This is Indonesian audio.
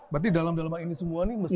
berarti dalem dalem ini semua nih